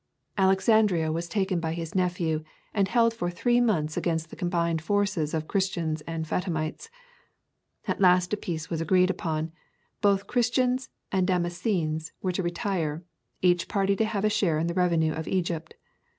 Alexandria was taken by his nephew, and held for three months against the combined forces of Christians and Fatimites. At last a peace was agreed upon: both Christians and Damascenes were to retire, each party to have a share in the revenues of Egypt.